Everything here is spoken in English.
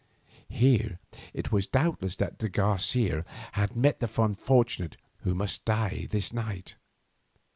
Here it was doubtless that de Garcia had met that unfortunate who must die this night.